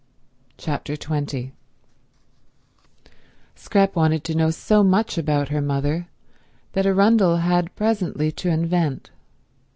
Chapter 20 Scrap wanted to know so much about her mother that Arundel had presently to invent.